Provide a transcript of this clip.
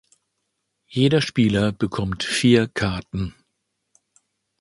Jeder Spieler bekommt vier Karten.